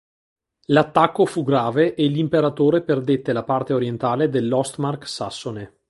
L'attacco fu grave e l'imperatore perdette la parte orientale dell'Ostmark sassone.